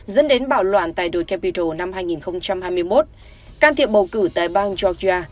dẫn đến bạo loạn tài đổi capitol năm hai nghìn hai mươi một can thiệp bầu cử tại bang georgia